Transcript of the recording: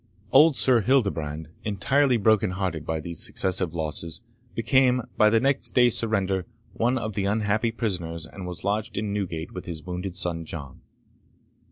Old Sir Hildebrand, entirely brokenhearted by these successive losses, became, by the next day's surrender, one of the unhappy prisoners, and was lodged in Newgate with his wounded son John.